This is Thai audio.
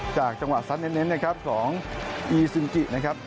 จากจังหวะสัตว์เน้นของอีซิมกินะครับ